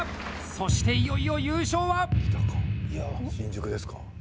そして、いよいよ優勝は。